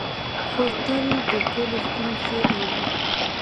خور تل د ټولو ستونزې اوري.